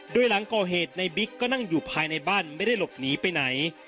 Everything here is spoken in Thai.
โดยหลังก่อเหตุในบิ๊กก็นั่งอยู่ภายในบ้านไม่ได้หลบหนีไปไหน